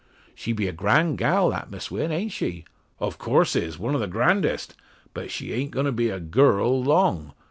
"She be a grand gal, that Miss Wynn. An't she?" "In course is one o' the grandest. But she an't going to be a girl long.